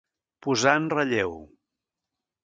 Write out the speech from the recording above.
Posar en relleu.